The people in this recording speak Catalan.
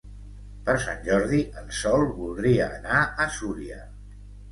Per Sant Jordi en Sol voldria anar a Súria.